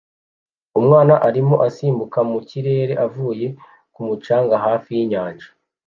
Umwana arimo asimbukira mu kirere avuye ku mucanga hafi y'inyanja